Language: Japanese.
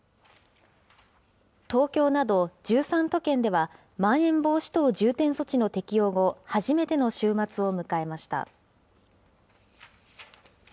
東京など１３都県では、まん延防止等重点措置の適用後、初めての週末を迎えました。